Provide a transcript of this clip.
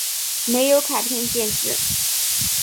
没有卡片限制。